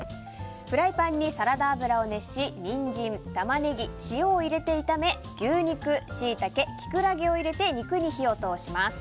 フライパンにサラダ油を回し入れニンジン、タマネギ塩を入れて炒め牛肉、シイタケ、キクラゲを入れて肉に火を通します。